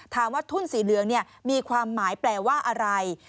ถามว่าทุ่นสีเหลืองเนี่ยมีความหมายแปลว่าอะไร